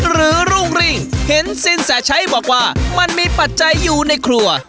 รุ่งริ่งเห็นสินแสชัยบอกว่ามันมีปัจจัยอยู่ในครัว